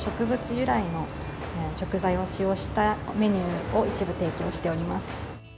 由来の食材を使用したメニューを一部提供しております。